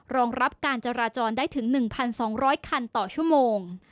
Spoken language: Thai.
รองรับการจราจรได้ถึง๑๒๐๐คันต่อชั่วโมง